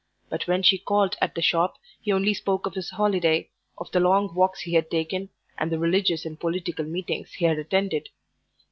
But when she called at the shop he only spoke of his holiday, of the long walks he had taken, and the religious and political meetings he had attended.